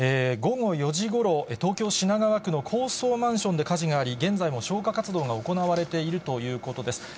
午後４時ごろ、東京・品川区の高層マンションで火事があり、現在も消火活動が行われているということです。